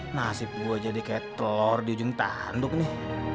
nasib gue jadi kayak telur di ujung tanduk nih